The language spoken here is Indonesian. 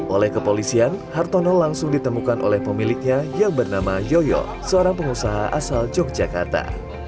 oleh kepolisian hartono langsung ditemukan oleh pemiliknya yang bernama yoyo seorang pengusaha asal yogyakarta